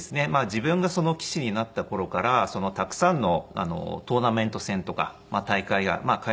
自分が棋士になった頃からたくさんのトーナメント戦とか大会が開催されていまして。